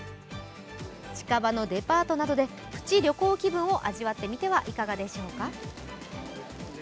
近場のデパートなどでプチ旅行気分を味わってみてはいかがでしょうか？